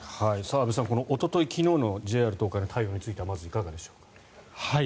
阿部さん、おととい昨日のＪＲ東海の対応についてはまずいかがでしょうか。